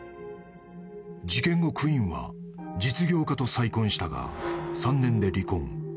［事件後クインは実業家と再婚したが３年で離婚］